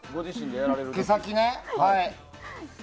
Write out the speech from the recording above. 毛先ね、はい。